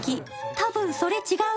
多分それ違う